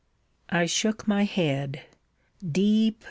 I shook my head Deep!